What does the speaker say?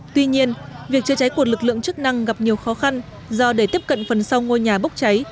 tuy nhiên việc chữa cháy của lực lượng chức năng gặp nhiều khó khăn do để tiếp cận phần sau ngôi nhà bốc cháy